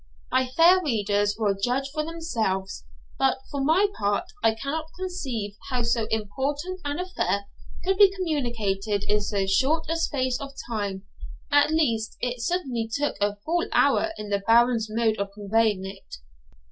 My fair readers will judge for themselves; but, for my part, I cannot conceive how so important an affair could be communicated in so short a space of time; at least, it certainly took a full hour in the Baron's mode of conveying it.